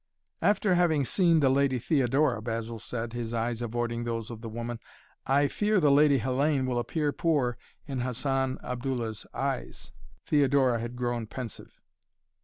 "After having seen the Lady Theodora," Basil said, his eyes avoiding those of the woman, "I fear the Lady Hellayne will appear poor in Hassan Abdullah's eyes." Theodora had grown pensive.